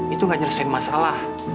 itu gak nyelesain masalah